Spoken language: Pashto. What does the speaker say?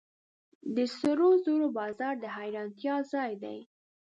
د سرو زرو بازار د حیرانتیا ځای دی.